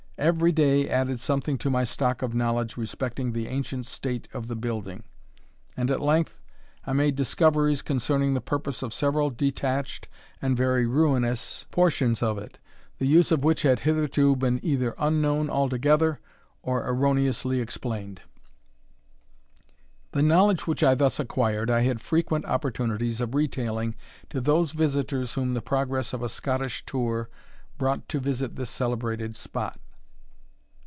Every day added something to my stock of knowledge respecting the ancient state of the building; and at length I made discoveries concerning the purpose of several detached and very ruinous portions of it, the use of which had hitherto been either unknown altogether or erroneously explained. The knowledge which I thus acquired I had frequent opportunities of retailing to those visiters whom the progress of a Scottish tour brought to visit this celebrated spot.